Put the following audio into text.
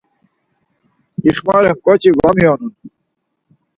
İxmaren ǩoçi var miyonun.